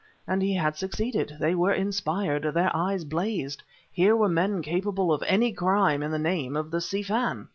And he had succeeded; they were inspired, their eyes blazed. Here were men capable of any crime in the name of the Si Fan!